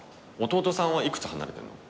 弟さんは幾つ離れてるの？